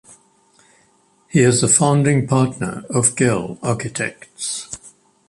He is a founding partner of Gehl Architects.